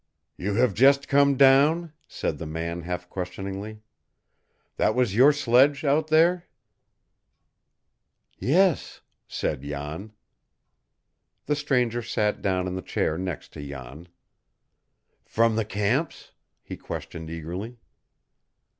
"You have just come down," said the man, half questioningly. "That was your sledge out there?" "Yes," said Jan. The stranger sat down in the chair next to Jan. "From the camps?" he questioned eagerly.